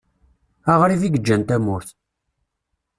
Aɣrib i yeǧǧan tamurt.